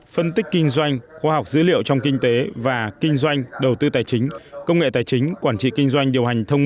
phân tích kinh doanh khoa học dữ liệu trong kinh tế và kinh doanh đầu tư tài chính công nghệ tài chính quản trị kinh doanh điều hành thông